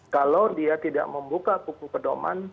kalau dia tidak membuka buku pedoman